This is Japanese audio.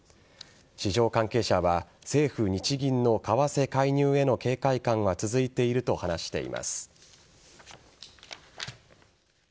市場関係者は政府・日銀の為替介入への警戒感は続いていると話しています。